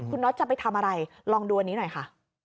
คุณน็อตจะไปทำอะไรลองดูอันนี้หน่อยค่ะ